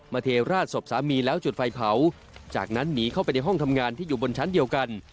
เทราดศพสามีแล้วจุดไฟเผาจากนั้นหนีเข้าไปในห้องทำงานที่อยู่บนชั้นเดียวกัน